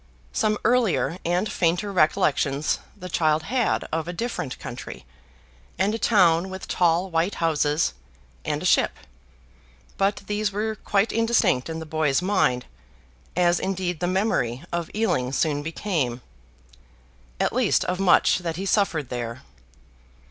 Some earlier and fainter recollections the child had of a different country; and a town with tall white houses: and a ship. But these were quite indistinct in the boy's mind, as indeed the memory of Ealing soon became, at least of much that he suffered there.